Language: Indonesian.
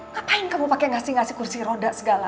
ngapain kamu pakai ngasih ngasih kursi roda segala